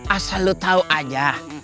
asal lu tau aja